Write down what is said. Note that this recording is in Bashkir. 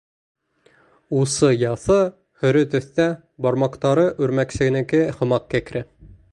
Усы яҫы, һоро төҫтә, бармаҡтары үрмәксенеке һымаҡ кәкре.